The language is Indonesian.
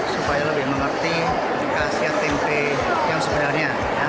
supaya lebih mengerti khasiat tempe yang sebenarnya